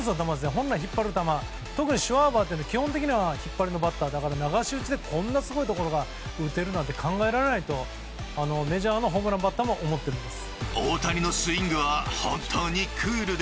本来引っ張る球シュワバーは基本的には引っ張りのバッターだから流し打ちでこんなホームランを打てるなんて考えられないとメジャーのホームランバッターも思っているんです。